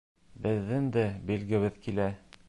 Беҙҙең дә белгебеҙ килә.